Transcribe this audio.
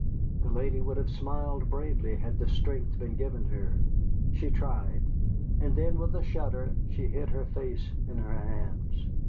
The lady would have smiled bravely, had the strength been given her. She tried. And then, with a shudder, she hid her face in her hands.